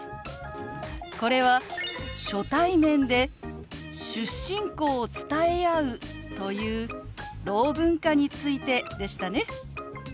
これは初対面で出身校を伝え合うというろう文化についてでしたね。